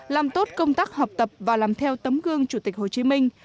làm tốt công tác học tập và làm theo tấm gương chủ tịch hồ chí minh